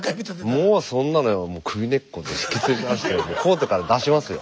もうそんなの首根っこ引きずり出してコートから出しますよ